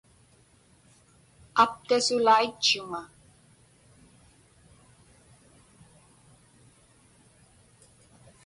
Aptasulaitchuŋa.